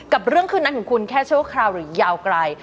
กับเรื่องคืนนั้นของคุณแค่ชั่วคราวหรือยาวไกล